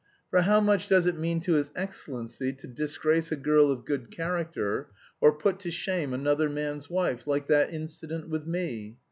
For how much does it mean to his excellency to disgrace a girl of good character, or put to shame another man's wife, like that incident with me?